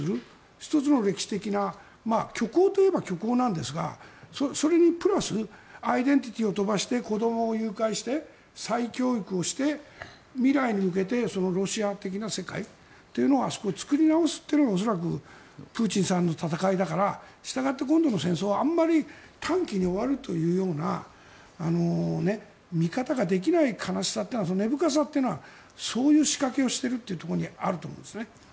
１つの、歴史的な虚構といえば虚構なんですがそれにプラスアイデンティティーを飛ばして子どもを誘拐して再教育して未来に向けてロシア的な世界というのをあそこに作り直すというのが恐らくプーチンさんの戦いだからしたがって今度の戦争はあまり短期に終わるというような見方ができない悲しさというか根深さというのはそういう仕掛けをしているというところにあると思うんです。